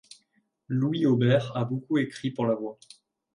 Louis Aubert a beaucoup écrit pour la voix.